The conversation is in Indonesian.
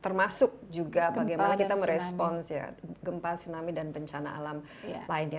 termasuk juga bagaimana kita merespons gempa tsunami dan bencana alam lainnya